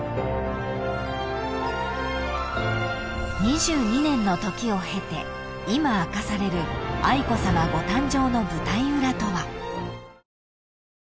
［２２年の時を経て今明かされる愛子さまご誕生の舞台裏とは］